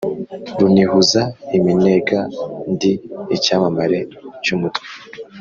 Runihuza iminega, ndi icyamamare cy'umutwe